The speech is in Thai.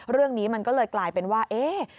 เรื่องนี้มันก็เลยกลายเป็นว่าเอ๊ะ